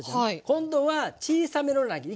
今度は小さめの乱切り。